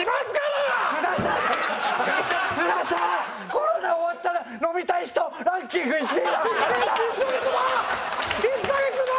コロナ終わったら飲みたい人ランキング１位はあなた！！